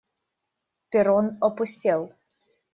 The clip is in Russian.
Перрон опустел.